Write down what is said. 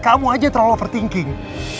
kamu aja terlalu overthinking